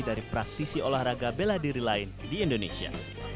dari praktisi olahraga bela diri lain di indonesia